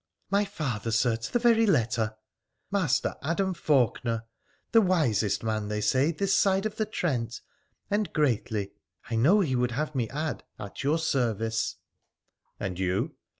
' My father, Sir, to the very letter, Master Adam Faulkener, the wisest man, they say, this side of the Trent, and greatly (I know he would have me add) at your service.' ' And you